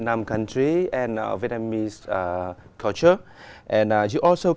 và anh có thể nói về lựa chọn của anh